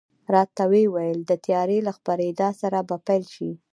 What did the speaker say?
راته وې ویل، د تیارې له خپرېدا سره به پیل شي.